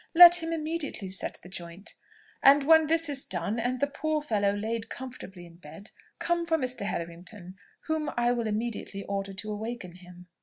Let him immediately set the joint, and when this is done, and the poor fellow laid comfortably in bed, come for Mr. Hetherington, whom I will immediately order to awaken him."